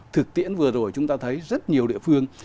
thực tiễn vừa rồi chúng ta thấy rất nhiều địa phương